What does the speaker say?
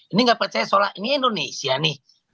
ini nggak percaya seolah ini indonesia nih